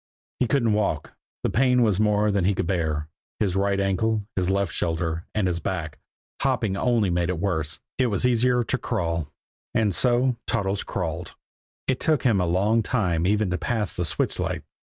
He couldn't walk, the pain was more than he could bear his right ankle, his left shoulder, and his back hopping only made it worse it was easier to crawl. And so Toddles crawled. It took him a long time even to pass the switch light.